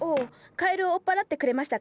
カエルを追っ払ってくれましたか？